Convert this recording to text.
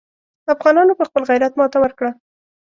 افغانانو په خپل غیرت ماته ورکړه.